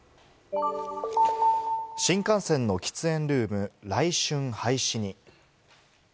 新幹線の喫煙ルーム、来春廃止に。